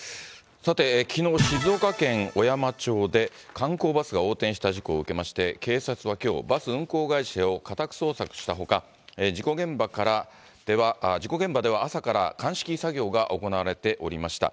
さて、きのう、静岡県小山町で観光バスが横転した事故を受けまして、警察はきょう、バス運行会社を家宅捜索したほか、事故現場では朝から鑑識作業が行われておりました。